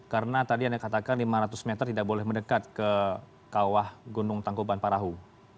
karena tadi anda katakan lima ratus meter tidak boleh mendekat ke kawah gunung tangkuban parahu